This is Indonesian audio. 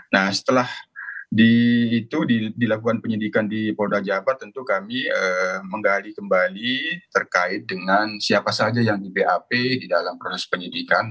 nah setelah itu dilakukan penyidikan di polda jabar tentu kami menggali kembali terkait dengan siapa saja yang di bap di dalam proses penyidikan